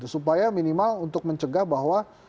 supaya minimal untuk mencegah bahwa